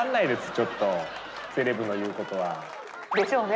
ちょっとセレブの言うことは。でしょうね！